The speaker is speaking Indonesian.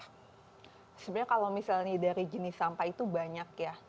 sebenarnya kalau misalnya dari jenis sampah itu banyak ya